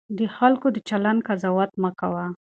د خلکو د چلند قضاوت مه کوه.